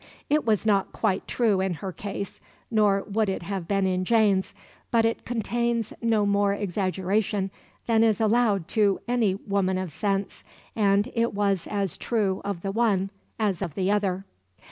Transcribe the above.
It was not quite true in her case, nor would it have been in Jane's, but it contains no more exaggeration than is allowed to any woman of sense, and it was as true of the one as of the other.